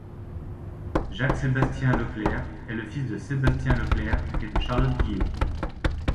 Jacques Sébastien Le Clerc est le fils de Sébastien Leclerc et de Charlotte Guillot.